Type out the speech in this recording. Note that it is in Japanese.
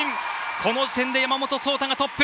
この時点で山本草太がトップ。